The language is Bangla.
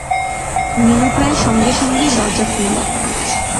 নীলু প্রায় সঙ্গে-সঙ্গেই দরজা খুলল।